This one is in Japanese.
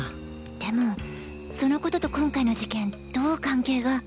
でもその事と今回の事件どう関係が？